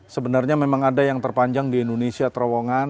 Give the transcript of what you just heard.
sebenarnya memang ada yang terpanjang di indonesia terowongan